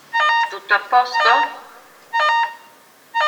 Tutto a posto?